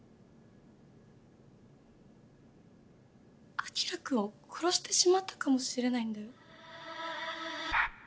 晶くんを殺してしまったかもしれないんだよ。